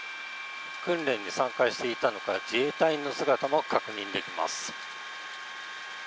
訓練に参加していたのか自衛隊員の姿も確認できます。